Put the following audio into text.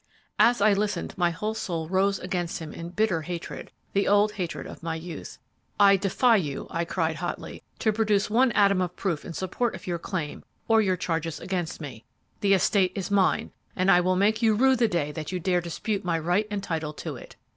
"As I listened, my whole soul rose against him in bitter hatred, the old hatred of my youth. 'I defy you,' I' cried, hotly, 'to produce one atom of proof in support of your claim or of your charges against me! The estate is mine, and I will make you rue the day that you dare dispute my right and title to it!'